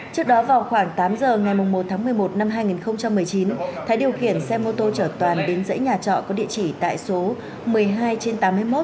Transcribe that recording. trước đó vào khoảng tám giờ ngày một tháng một mươi một năm hai nghìn một mươi chín thái điều khiển xe mô tô chở toàn đến dãy nhà trọ có địa chỉ tại số một mươi hai trên tám mươi một